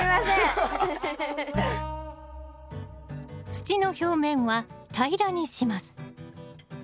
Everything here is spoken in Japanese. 土の表面は平らにします。